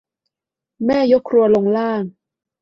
แม่ยกครัวลงล่าง